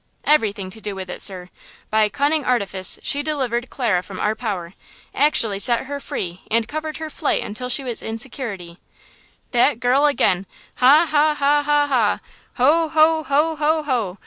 "Everything to do with it, sir! By a cunning artifice she delivered Clara from our power–actually set her free and covered her flight until she was in security!" "That girl again! Ha, ha, ha, ha, ha! Ho, ho, ho, ho, ho!"